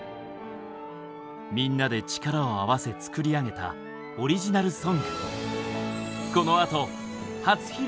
みんなで力を合わせ作り上げたオリジナルソング。